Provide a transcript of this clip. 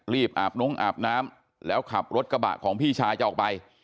อาบนงอาบน้ำแล้วขับรถกระบะของพี่ชายจะออกไป